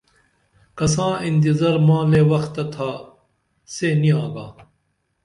کساں انتظار ماں لے وخ تہ تھا سے نی آگا